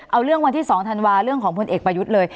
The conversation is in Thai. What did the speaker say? เอาเรื่องวันที่๒ธันวาเรื่องของพลเอกประยุทธ์เลย